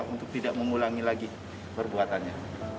untuk tidak mengulangi lagi perbuatannya